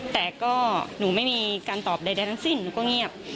แต่ก็หนูไม่มีการตอบใดทั้งสิ้นหนูก็เงียบ